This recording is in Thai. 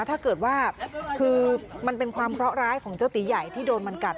ถ้าเกิดว่าคือมันเป็นความเคราะหร้ายของเจ้าตีใหญ่ที่โดนมันกัด